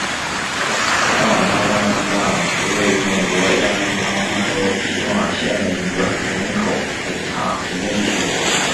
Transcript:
海瓦纳纳基亚是位于美国亚利桑那州皮马县的一个人口普查指定地区。